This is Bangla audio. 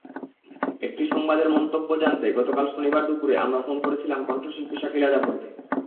একটি সংবাদের মন্তব্য জানতে গতকাল শনিবার দুপুরে আমরা ফোন করেছিলাম কণ্ঠশিল্পী শাকিলা জাফরকে।